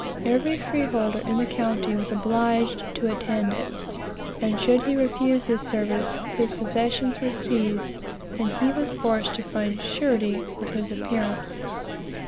Every freeholder in the county was obliged to attend it; and should he refuse this service, his possessions were seized, and he was forced to find surety for his appearance.